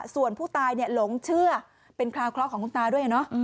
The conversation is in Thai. ส่วนผู้ตายหลงเชื่อเป็นคราวเคราะห์ของคุณตาด้วย